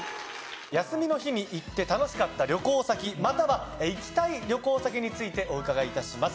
休みの日に行って楽しかった旅行先または行きたい旅行先についてお伺いいたします。